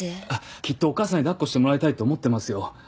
きっとお母さんに抱っこしてもらいたいと思ってますよ。